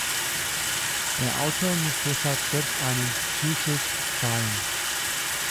Der Autor muss deshalb selbst einen „Zuschuss“ zahlen.